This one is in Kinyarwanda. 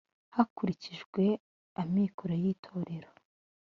hakurikijwe amikoro y itorero